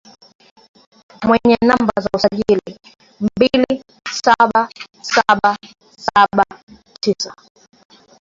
mwenye namba za usajili mbili saba saba saba tisa